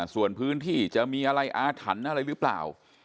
ส่วนพื้นที่จะมีอะไรอาถรรพ์อะไรหรือเปล่า